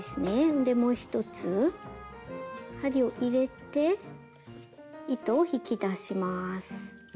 でもう一つ針を入れて糸を引き出します。